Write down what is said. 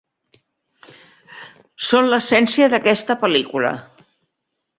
Són l'essència d'aquesta pel·lícula.